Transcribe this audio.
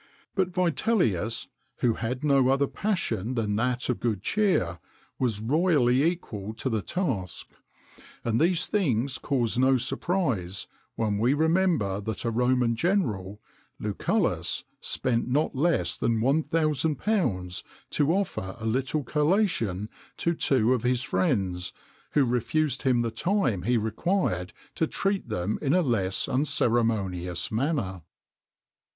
But Vitellius, who had no other passion than that of good cheer, was royally equal to the task. And these things cause no surprise when we remember that a Roman general, Lucullus, spent not less than £1,000 to offer a little collation to two of his friends, who refused him the time he required to treat them in a less unceremonious manner.